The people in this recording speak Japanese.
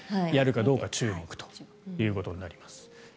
やるかどうか注目ということになります。